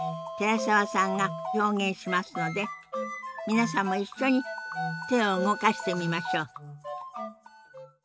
寺澤さんが表現しますので皆さんも一緒に手を動かしてみましょう。